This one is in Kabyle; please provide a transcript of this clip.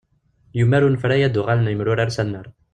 Yumer unefray ad d-uɣalen yemyurar s annar.